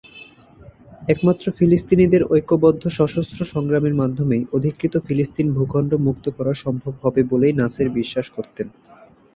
একমাত্র ফিলিস্তিনিদের ঐক্যবদ্ধ সশস্ত্র সংগ্রামের মাধ্যমেই অধিকৃত ফিলিস্তিন ভূখণ্ড মুক্ত করা সম্ভব হবে বলে নাসের বিশ্বাস করতেন।